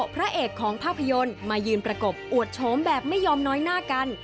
พระเอกของภาพยนตร์มายืนประกบอวดโฉมแบบไม่ยอมน้อยหน้ากัน